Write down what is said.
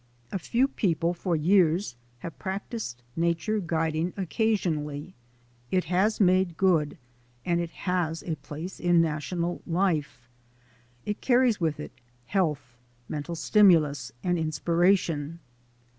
A few people for years have practised nature guiding occasionally. It has made good and it has a place in national life. It carries with it health, mental stimulus, and inspiration.